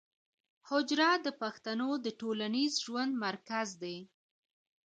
حجره د پښتنو د ټولنیز ژوند مرکز دی.